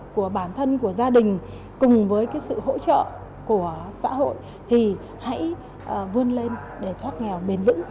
của bản thân của gia đình cùng với sự hỗ trợ của xã hội thì hãy vươn lên để thoát nghèo bền vững